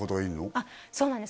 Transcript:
あっそうなんです